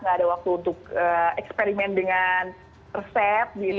gak ada waktu untuk eksperimen dengan resep gitu